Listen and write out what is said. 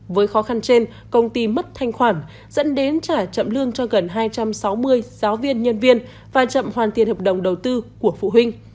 với khó khăn trên công ty mất thanh khoản dẫn đến trả chậm lương cho gần hai trăm sáu mươi giáo viên nhân viên và chậm hoàn tiền hợp đồng đầu tư của phụ huynh